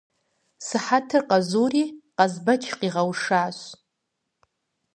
Сыхьэтыр къэзури Къазбэч къигъэушащ.